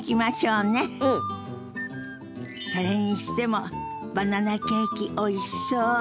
それにしてもバナナケーキおいしそう。